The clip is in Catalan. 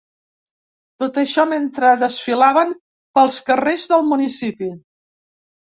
Tot això mentre desfilaven pels carrers del municipi.